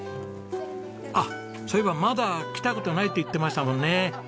あっそういえばまだ来た事ないって言ってましたもんね。